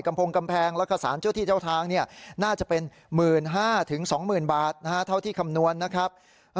พงกำแพงแล้วก็สารเจ้าที่เจ้าทางน่าจะเป็น๑๕๐๐๒๐๐๐บาทเท่าที่คำนวณนะครับ